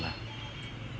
tidak ada apa apa